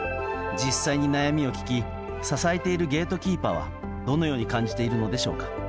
実際に悩みを聞き支えているゲートキーパーはどのように感じているのでしょうか。